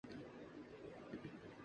وارستگی بہانۂ بیگانگی نہیں